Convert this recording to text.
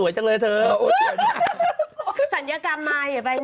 ใช่มั้ยว่า